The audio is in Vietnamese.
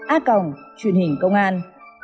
a cồng truyện hình công an